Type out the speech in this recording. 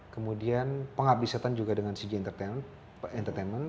kemudian penghabisan juga dengan cj entertainment